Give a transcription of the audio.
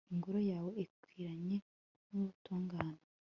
ingoro yawe ikwiranye n'ubutungane